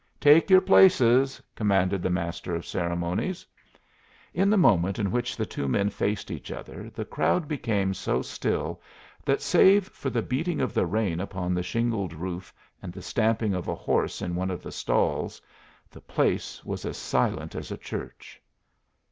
"Take your places," commanded the master of ceremonies. In the moment in which the two men faced each other the crowd became so still that, save for the beating of the rain upon the shingled roof and the stamping of a horse in one of the stalls, the place was as silent as a church.